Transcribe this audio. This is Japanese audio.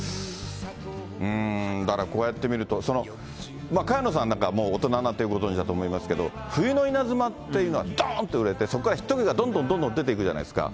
だからこうやって見ると、その、萱野さんなんかはもう大人になってご存じだと思いますけど、冬の稲妻っていうのはどーんと売れて、それからヒット曲がどんどんどんどん出ていくじゃないですか。